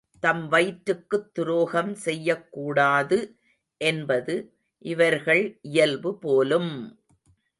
தம் வயிற்றுக்குத் துரோகம் செய்யக்கூடாது என்பது இவர்கள் இயல்புபோலும்!